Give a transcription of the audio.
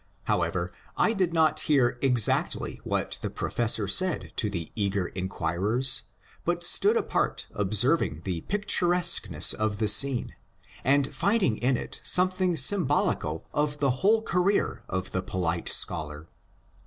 However, I did not hear exactly what the professor said to the eager inquirers, but stood apart observing the picturesqueness of the scene, and finding in it something symbolical of the whole career of the polite scholar.